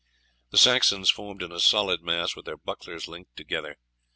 The Saxons formed in a solid mass with their bucklers linked together.